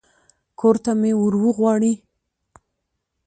کور ته مې ور وغواړي.